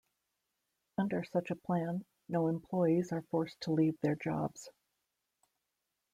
Under such a plan, no employees are forced to leave their jobs.